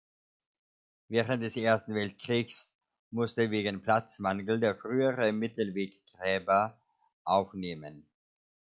Während des Ersten Weltkriegs musste wegen Platzmangel der frühere Mittelweg Gräber aufnehmen.